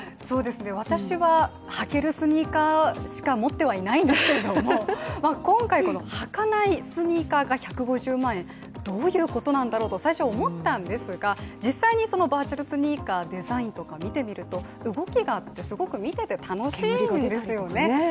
私は履けるスニーカーしか持ってはいないんですけれども今回この履かないスニーカーが１５０万円どういうことなんだろうと最初思ったんですが、実際にそのバーチャルスニーカーデザインとか見てみると、動きがあってすごく見てて楽しいんですよね